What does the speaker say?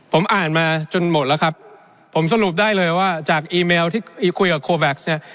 ผมอ่านมาจนหมดแล้วครับผมสรุปได้เลยว่าจากอีเมลที่คุยกับโคแบ็คซเนี่ย